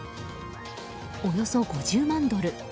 およそ５０万ドル。